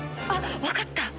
あっ分かった！